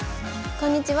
こんにちは。